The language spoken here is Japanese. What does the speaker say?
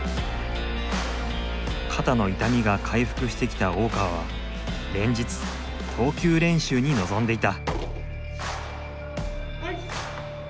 肩の痛みが回復してきた大川は連日投球練習に臨んでいた。